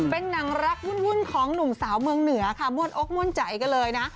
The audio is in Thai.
เป็นหนังรักวุ่นของหนุ่มสาวเมืองเหนือค่ะม่วนอกม่วนใจกันเลยนะ